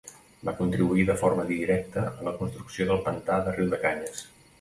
Va contribuir de forma directa a la construcció del pantà de Riudecanyes.